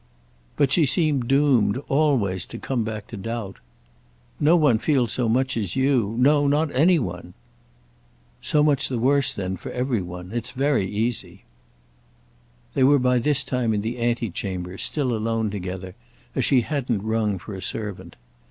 But she seemed doomed always to come back to doubt. "No one feels so much as you. No—not any one." "So much the worse then for every one. It's very easy." They were by this time in the antechamber, still alone together, as she hadn't rung for a servant.